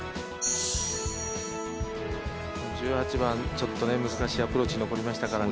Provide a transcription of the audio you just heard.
１８番、ちょっと難しいアプローチ残りましたからね。